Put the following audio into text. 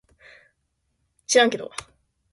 しらんけど